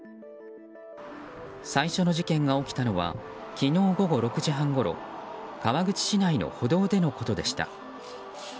最初の事件が起きたのは昨日午後６時半ごろ川口市内の歩道でのことでした。